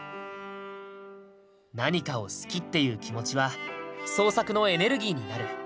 何かを好きっていう気持ちは創作のエネルギーになる。